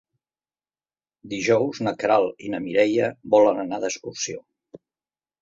Dijous na Queralt i na Mireia volen anar d'excursió.